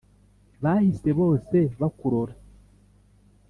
bahise bose bakurora